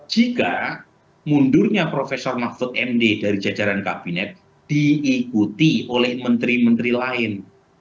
jika mundurnya prof mahfud md dari jajaran kabinet diikuti oleh menteri menteri lain